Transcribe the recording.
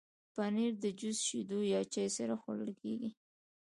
پنېر د جوس، شیدو یا چای سره خوړل کېږي.